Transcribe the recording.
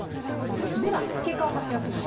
では結果を発表します。